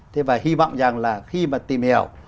thế và hy vọng rằng là khi mà tìm hiểu